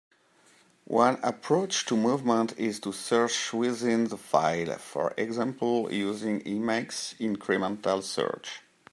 One approach to movement is to search within the file, for example using Emacs incremental search.